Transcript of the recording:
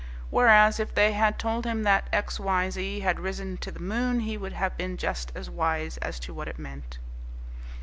Whereas if they had told him that X. Y. Z. had risen to the moon he would have been just as wise as to what it meant.